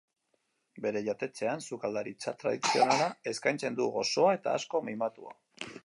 Bere jatetxean sukaldaritza tradizionala eskaintzen du, goxoa eta asko mimatua.